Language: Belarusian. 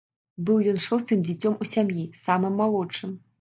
Быў ён шостым дзіцём у сям'і, самым малодшым.